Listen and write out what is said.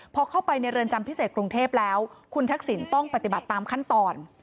พอเข้าไปในเรือนจำพิเศษกรุงเทพแล้วคุณทักษิณต้องปฏิบัติตามขั้นตอน